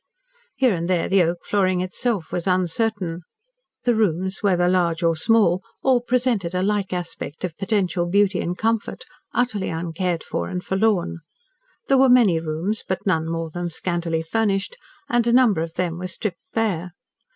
Here and there the oak flooring itself was uncertain. The rooms, whether large or small, all presented a like aspect of potential beauty and comfort, utterly uncared for and forlorn. There were many rooms, but none more than scantily furnished, and a number of them were stripped bare.